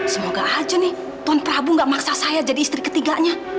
semoga aja nih tun prabu gak maksa saya jadi istri ketiganya